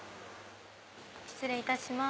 失礼いたします。